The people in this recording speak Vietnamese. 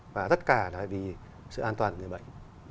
và tất cả là vì sự an toàn của người bệnh